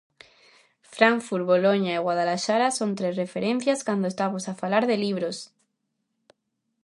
Frankfurt, Boloña e Guadalaxara son tres referencias cando estamos a falar de libros.